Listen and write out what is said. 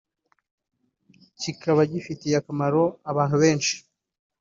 kikaba gifitiye akamaro abantu benshi